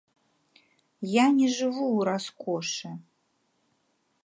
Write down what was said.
Я не жыву ў раскошы.